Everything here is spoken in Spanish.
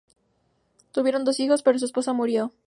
Tuvieron dos hijos, pero su esposa murió.